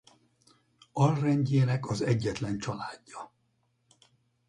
Alrendjének az egyetlen családja.